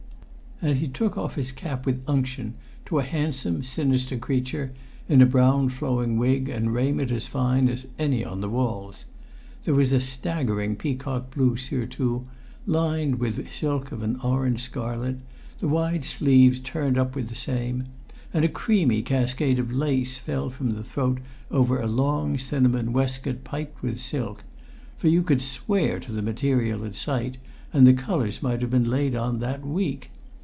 And he took off his cap with unction to a handsome, sinister creature, in a brown flowing wig and raiment as fine as any on the walls. There was a staggering peacock blue surtout, lined with silk of an orange scarlet, the wide sleeves turned up with the same; and a creamy cascade of lace fell from the throat over a long cinnamon waistcoat piped with silk; for you could swear to the material at sight, and the colours might have been laid on that week.